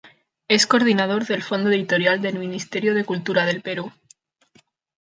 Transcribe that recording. Es coordinador del Fondo Editorial del Ministerio de Cultura del Perú.